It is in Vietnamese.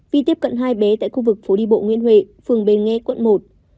vi tiếp cận hai bé tại khu vực phố đi bộ nguyễn huệ phường bên nghê quận một